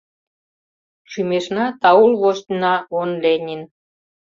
Шӱмешна таул вождьна он Ленин